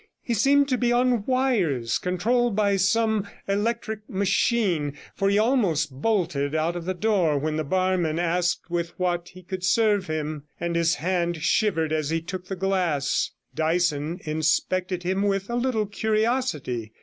He seemed to be on wires, controlled by some electric machine, for he almost bolted out of the door when the barman asked with what he could serve him, and his hand shivered as he took the glass. Dyson inspected him with a little curiosity.